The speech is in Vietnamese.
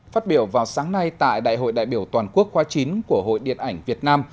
phát biểu vào sáng nay tại đại hội đại biểu toàn quốc khoa chín của hội điện ảnh việt nam